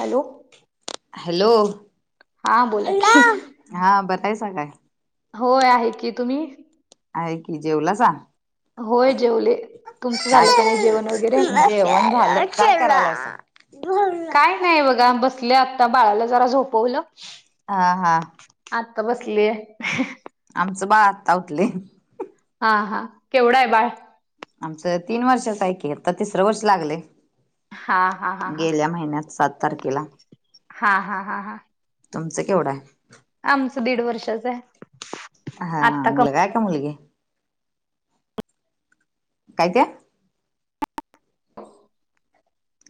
Hello hello हा बोला hello की हा बरायसा काय. होय आहे की तुम्ही. आहे की जेवला सा. होय जेवले तुमचं झालं का नाही जेवण वगैरे [unintelligible] तेव्हाला शेकडा काय नाही बघा बसल्या आता बाळाला जरा झोपवलं. हा हा. आता बसलीय. आमचं बाळ आत्ता उठले. हा हा, केवढ आहे बाळ? आमचं तीन वर्षाच आहे की आता तिसरं वर्ष लागलय. हा हा हा हा गेल्या महिन्यात सात तारखेला. हा हा हा हां. तुमचं केवढं आहे? आमचं दीड वर्षाचं आहे. हा, आत्ता कम मुलगा य का मुलगी? काय ते.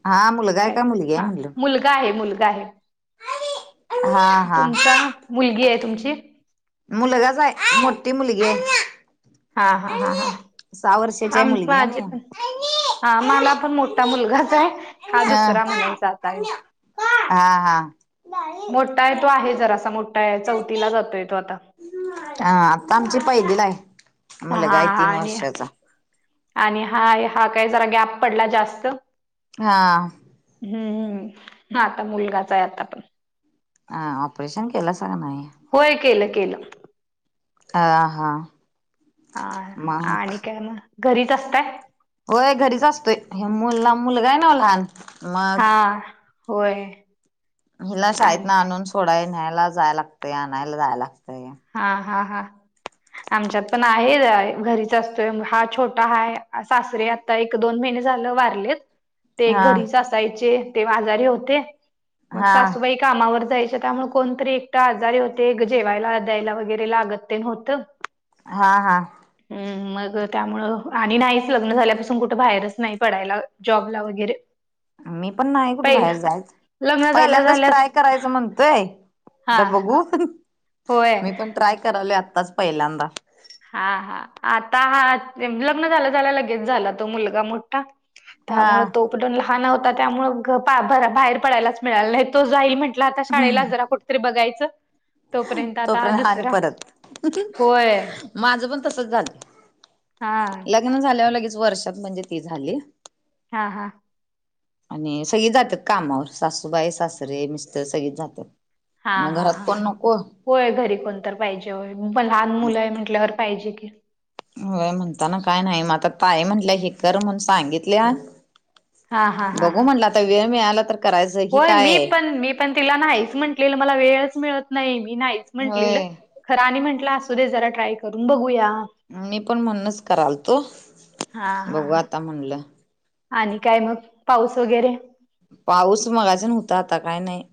हा मुलं ह हा, मुलगा आहे मुलगा आहे हा हा तुमचा? मुलगी आहे तुमची? मुलगाच हाय मोठी मुलगी आहे. हा हा हा हा, सहा वर्षाची आहे आम मुलगी आणि माझे पण हा हा मला पण मोठा मुलगाच आहे हा दुसरा म्हणायचा आता यो. हा. मोठा आहे तो आहे जरासा मोठा आहे चौथीला जातोय तो आता. हा आता आमची पहिली ला आहे हा हा मुलगा य हा, तीन आणि वर्षाचा. आणि हाय हा काय जरा गॅप पडला जास्त. हा. हम्म, हा आता मुलगाचा आहे आता पण. आ ऑपरेशन केलं सा का नाही? होय केलं केलं. अ हा. हा मग आणि काय मग घरीच असताय. होय घरीच असतोय हे मुलला मुलगा आहे नव लहान. हा मग होय. हिला शाळेत न आणि आणून सोडाय न्यायला जाय लागतय आणायला जाय लागतय. हा हा हा. आमच्यात पण आहे घरीच असतोय हा छोटा आहे सासरी ताई एक दोन महिने झालं वारलेत. ते हा घरीच असायचे ते आजारीे होते मग हा सासूबाई कामावर जायचे त्यामुळे कोणतरी एक तर आजारी होते जेवायला द्यायला वगैरे लागत ते न होत. हा हा. हम् मग त्यामुळ आणि नाहीच लग्न झाल्यापासून कुठ बाहेरच नाही पडायला जॉबला वगैरे. [inaudible] मी पण नाही कुठ बाहेर पहिला जायच. लग्न झाल्या पहिल्यांदाच झाल्यास ट्राय करायचं म्हणतोय हा तर बघू. मी होय. पण ट्राय करालोय आत्ताच पहिल्यांदा. हा हा, आता हा लग्न झाल्या-झाल्या लगेच झाला तो मुलगा मोठा. हा त्यामुळ तो पलटून लहान होता, त्यामुळं बाहेर पडायलाच मिळालं नाही तो जाई म्हण आता शाळेला जरा कुठतरी बघायचं. तोपर्यंत आता हा दुसरा, होय. माझं पण तसच झालं हा लग्न झाल्यावर, लगेच वर्षात म्हणजे ती झाली हा.. हा. आणि सगळी जातात कामांवर. सासूबाई, सासरे, मिस्टर सगळीच जातात. हा.. मग हा.. घरात कोण हा. नको होय, घरी कोण तर पाहिजे, होय. लहान मुल आहे, म्हटल्यांवर पाहिजे की. होय म्हणताना, काय नाही मग. आता ताई म्हटल्यां हे कर म्हणून सांगितल्या हा हा हा बघू हा म्हणलं, आता वेळ मिळाला तर करायचं ही होय. मी काय पण, मी पण तिला नाहीच म्हटलेलं. मला वेळच मिळत नाही, मी नाहीच म्हटलेलं. होय खरं आणि म्हटलं असू दे, जरा ट्राय करून बघूया. मी पण म्हणूनच करायलतो, हा हा बघू आता म्हणलं आणि काय मग? पाऊस वगैरे. पाऊस मघाच्यानं होता, आता काय नाही.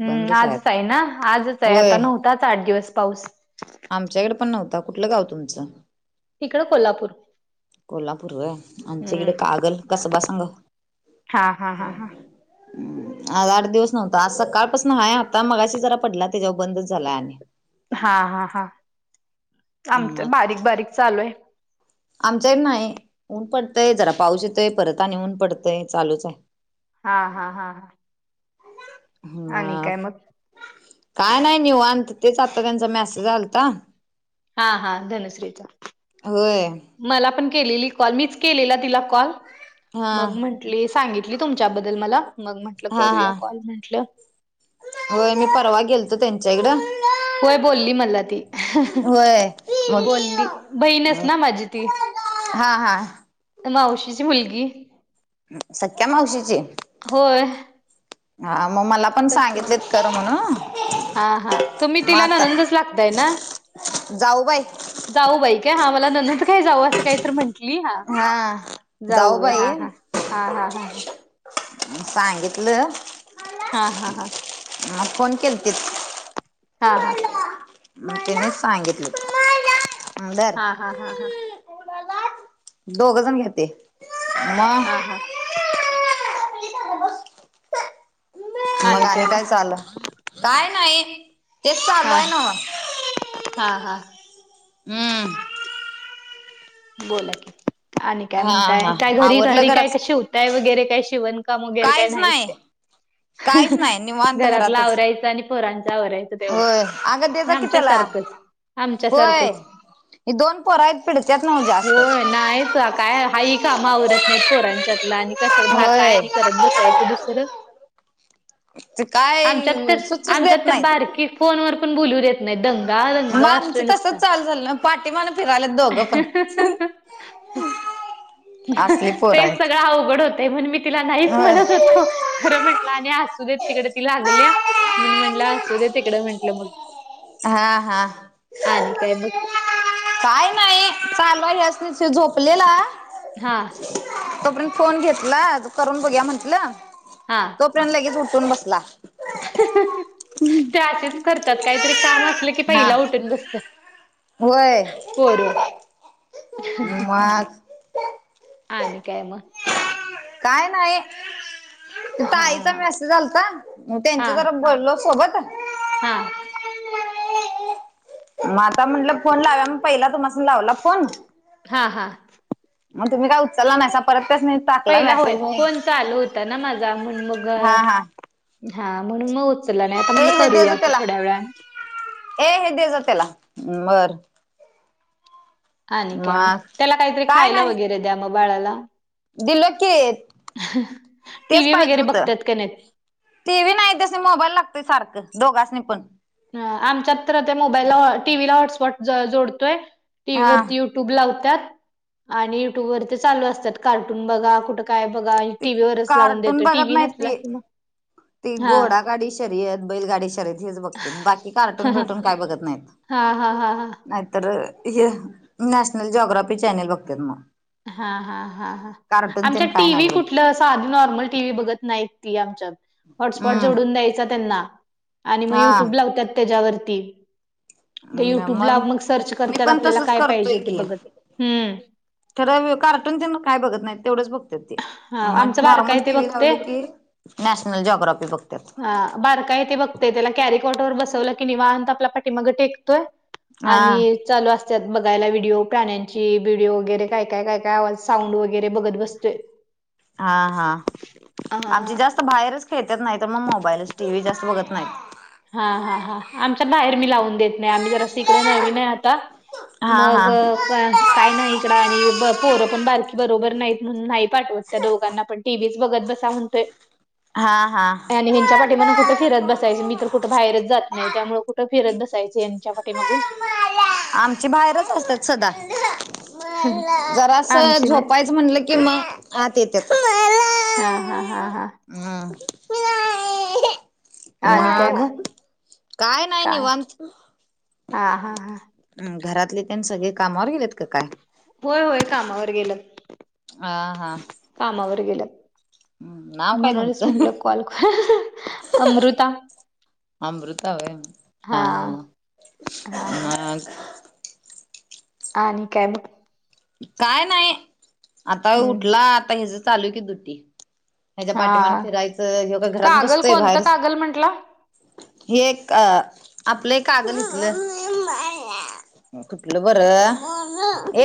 हम्म्.. बंदच आजच आता आहे ना? आजच आहे, आता होय नव्हताच आठ दिवस पाऊस. आमच्याकडे पण नव्हता, कुठलं गाव तुमचं? इकडं, कोल्हापूर. कोल्हापूर होय. आमच्याकडे हम्म कागल, कसबा, सांगाव. हा.. हा.. हा.. हा. आज आठ दिवस नव्हता, आज सकाळपासनं आहे. आता मगाशी जरा पडला, त्याच्यावर बंदच झाला आणि. हा.. हा.. हा. आमच्याकडे, बारीक-बारीक चालू आहे. आमच्याकडं नाही. ऊन पडतंय, जरा पाऊस येतोय. परत आणि ऊन पडतंय, चालूच आहे. हा.. हा.. हा.. हा. आणि काय मग. काय नाही, निवांत. तेच आता, त्यांचा मेसेज आलता. हा.. हा. धनश्रीचा. होय मला पण केलेला कॉल, मीच केलेला तिला कॉल. हा मग म्हंटली, सांगितलं तुमच्याबद्दल मला. मग म्हंटलं, हा हा करूया कॉल म्हटलं. होय. मी परवा, गेलतो त्यांच्या इकडं. होय, बोलली मला ती. होय बोलली, बहीणच मग ना माझी ती. हा.. हा. मावशीची, मुलगी. सख्या मावशीची? होय हा, मग मला पण सख्या सांगितलेत कर मावशीची म्हणून, हा हा तुम्ही मग तिला आता ननंदच लागताय जाऊ बाई? जाऊ बाई काय? हा मला नणंद का जाऊ असं असं काहीतर म्हंटली, हा. जाऊ होय, हं. सांगितलं. हा.. हा.. हा. मग, फोन केलतेत. हां, हां. मग, त्याने सांगितलं. हा धर. हा.. हा.. हा.. हां. दोघंजण घेते. म हा हा. मग आणि काय चाललंय? काय नाही. तेच चालू हा हाय नव्हं, हा हा ‌हम्म. बोला की, आणि काय हा म्हणताय हा काय, घरी- आवरलं घरी काय घरात शिवताय वगैरे काय, शिवण काम वगैरे, काय काहीच नाहीच नाही काय. काहीच नाही निवांत घरातलं घरातच आवरायचं, आणि पोरांच आवरायचं तेवढं, होय अगं दे जा की आमच्या त्याला सारखं कसं? आमच्या सारखंच. हे, दोन पोरं आहेत, पिडत्यांत नव्हं. जास्त, होय, नाहीचं काय? हाय ही कामं, आवरत नाहीत. पोरांच्यातलं आणि कसं भा काय होय. आणि. करत बसायचं दुसरं, ते आमच्यात काय तर, सुचच देत आमच्यात तर, नाहीत. बारकी फोनवर पण बोलू देत नाहीत. दंगा दंगा, दंगा असतोय नुसता. चलन, पाठीमागन फिराल्यात दोघेपण. तेच, सगळं अवघड होतंय म्हणून, मीतिला नाहीच होय. म्हणत होतो. खरं म्हटलं, आणि असू देत, तिकड ती लागल्या, म्हणून म्हटलं असू दे तिकडं म्हटलं मग. हा, हा, आणि काय मग काय. थांबा, यासनीच ह्यो झोपलेला. हा, तोपर्यंत फोन घेतला, करून बघुया म्हटलं. हा. तोपर्यंत, लगेच उठून बसला. त्या, अशीच करतात काहीतरी काम, असलं की हा पहिला उठून बसत्यात, होय पोरं. मग, आणि काय म? काय नाही. हा ताईंचा हा मेसेज आलाता, मग हा त्यांच्या जरा बोललो सोबत. हा, म आता म्हटलं फोन लावुया, मग पहिला तुमास्नी लावला, फोन. हा, हा. मग, तुम्ही काय उचला नाहीसा, परत त्यासनी टाकला पहिला होय, मेसेज मी फोन चालू होता ना माझा, म्हणून मग, हा हा हा म्हणून मग ऊच उचलला नाही आता ए म्हटलं करूया, आत्ता थोड्या वेळानं. ये हे देजातेला, हम्म बर. आणि काय मग, त्याला काहीतरी काय खायला नाही वगैरे द्या, मग बाळाला. दिलो की, टी तेच व्ही पाहिजे वगैरे होतं. बघतात का नाहीत? टी, व्ही नाही, त्यासनी मोबाईल लागतोय सारखं, दोघासनी पण. आमच्यात तर, मोबाईलला टी व्ही ला हॉसस्पॉट जोडतोय टीव्ही हा वरती यु युट्यूब लावत्यात, आणि युट्यूब वरती चालू असत्यात, कार्टून बघा कुठं काय बघा, ती टीव्ही वरच लावून कार्टून देतो, बघत टीव्ही नाही नसला ती कि मग. ती, हा घोडा गाडी शर्यत, बैलगाडी शर्यत, हेच बघत्यात बाकी कार्टून, हा बिर्टून काय बघत नाहीत. हा, हा, हा, हा, नाहीतर हे, नॅशनल जोग्राफी चॅनेल बघत्यात मग. हा, हा, हा, हा, कार्टून तेन आमच्यात काय टी, नाही व्ही बघत कुठलं असं, साधी नॉर्मल, टी- व्ही बघत नाही ती आमच्यात, हॉसस्पॉट हम्म जोडून द्यायचा त्यांना. आणि, मग हा युट्यूब लावत्यात तेच्या वरती. त्या युट्यूबला मग सर्च मी करत्यात पण आपल्याला तसच काय करतोय पाहिजे ते की बघत. हम्म.. खरं कार्टून तेन काय बघत नाहीत. तेवढंच बघत्यात ती. हा मग आमचं बारका नॉर्मल आहे ते टीव्ही बघते लावली की, नॅशनल जॉग्राफी बघत्यात. हां, बारक आहे ते बघतय. त्याला कॅरिकॉट वर बसवलं की निवांत आपला पाठीमाग टेक... होय, हा आणि... चालू असत्यात बघायला व्हिडिओ, प्राण्यांचे व्हिडीओ वगैरे काय, काय, आवाज, साऊंड वगैरे बघत बसतोय. ह हा हा आमची जास्त फक्त बाहेरच खेळत्यात नाही तर मग मोबाईलचं टीव्ही जास्त बघत नाहीत. हा हा हा आमच्यात बाहेर मी लावून देत नाही आम्ही जरास हिकडं नवीन आहे आत्ता. हां हां. काय नाही इकड, आणि पोरं पण बारकी बरोबर नाहीत म्हणून नाहीत... पाठवत त्या दोघांना पण टीव्हीच बघत बसा म्हणतोय. हा हा आणि ह्यांच्या पाठी मग कुठे फिरत बसायं मी तर, कुठं बाहेरच जात नाही त्यामुळे कुठं फिरत बसायचं यांच्या पाठी मगून, आमचे बाहेरच असतात सदा जरा अस आमची नाही झोपायचं. म्हणलं क म आते ते, हा हा हा हा. आणि काय हम मग काय नाही निवांत हा हा हा म घरातले त्यांनी सगळे कामावर गेलेत का काय. होय होय कामावर गेल्यात, आ हा कामावर गेलं. नाव काय म्हणूनच तुमचं म्हंटलं काल कर अमृता. अमृता वय हा हा आणि काय, काय नाही आता हम्म उठला आता हच चालू आहे की डुटी, हच्या पाठीमान हा फिरायचं हेव का घरात कागल बसतोय कोणतं बाहेर, कागल म्हंटला? हे एक अ आपलं एक काग दिसलं, कुठलं बरं.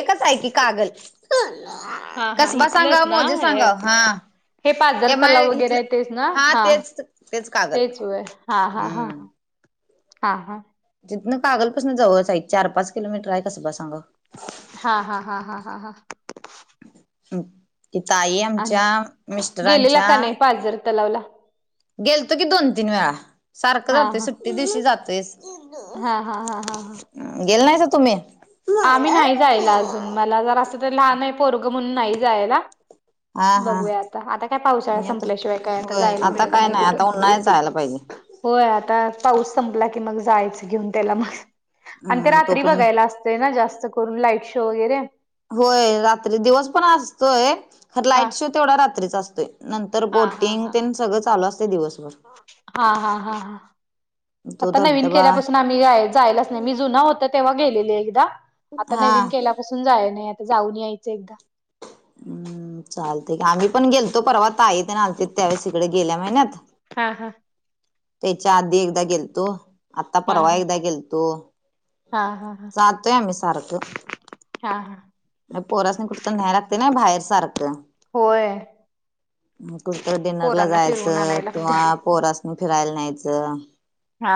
एकच आहे की कागल हा हा कसबा इथलंच सांगाव ना मोजे हे सांगाव हा, हे पाजर एम आय तलाव वगैरे इथलं आहे तेच ना हा तेच व हा हा ह, हा हा. तिथन कागलपासून जावळ सा चार पाच किलोमीटर आहे कसं ब सांग. हा हा हा हा हा हा. ताई आणि आमच्या काय गेलेला मिस्टरांच्या, का नाही पाझर तलाव, गेलतो की दोन तीन वेळा सारखं हा जातोय हा सुट्टी दिवशी जातोयस. हा हा हा हा हा गेल नाही तुम्ही, आम्ही नाही जायला अजून मला जर असं तर लहान आहे पोरग म्हणून नाही जायला. हा हा बघूया आता आता काय पावसाळा मी आता संपल्याशिवाय काय आता होय जायला आता मिळत काय नाही कुठं, आता उन्हाळ्यात जायला पाहिजे होय आता पाऊस संपला की मग जायचं घेऊन त्याला मग आणि ते हम्म रात्री तोपर्यंत बघायला असत. ते ना जास्त करून लाईट शो वगैरे होय रात्री दिवस पण असतोय खर हा. लाईट शो तेवढा रात्रीच असतोय. नंतर हा हा बोटिंग हा ते हा. सगळं चालू असतते दिवसभर ष हा हा हा ह तो आता नवीन धबधबा केल्यापासून यलाच नाही मी जु होत तेव्हा गेले एक आता हा नवीन केल्या जाय नाही आता जाऊन यायचं एकदा हम्म चालते आम्ही पण गेलतो परवा ता येत ना ते त्यावेळेस इकडे गेल्या महिन्यात हा हा. त्याच्या आधी एकदा गेलतो आता हा परवा हा एकदा गेलतो. हा हा हा सत आमही सारख हा हा पोरस नाही कुठे तर न्याय लागते ना बाहेर सारखं होय. कुठत डिनरला पोरांना फिरवून जायचं आणाय किंवा लागतंय. पोर असत. फिरायला नाहीचं. हा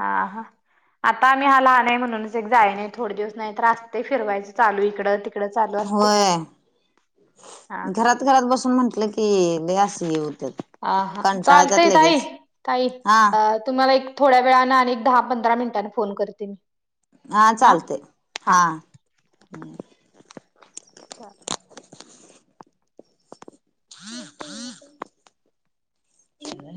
हा हा. आता आम्ही हा लहान आहे म्हणूनच एक जाय नाही थोडे दिवस नाही रा असस्ते फिरवायचं चालू इकडं. तिकडं चालू असतंय. होय हा. घरात घरात बसून म्हंटलं की ते असं येऊ त्या हा हा कंटाळतत चालतंय ताई लगेच ताई हा. अ तुम्हाला एक थोड्या वेळाानं आणि एक दहा पंधरा मिनिटांने फोन करते मी हा चालतय हा. अच्छा फ्री फ्री ह